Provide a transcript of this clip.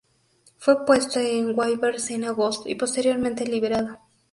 Fue puesto en waivers en agosto, y posteriormente liberado.